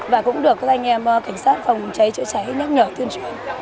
và cũng được các anh em cảnh sát phòng cháy chữa cháy nhắc nhở tuyên truyền